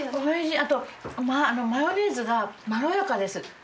あとマヨネーズがまろやかです。